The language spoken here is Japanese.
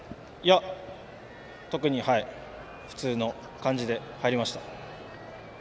特に普通の感じで入りました。